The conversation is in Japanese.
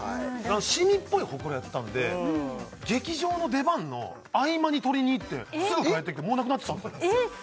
シミっぽいホクロやったんで劇場の出番の合間に取りにいってすぐ帰ってきてもうなくなってたんです